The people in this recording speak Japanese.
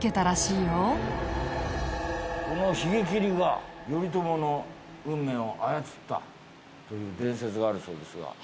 この髭切が頼朝の運命を操ったという伝説があるそうですが。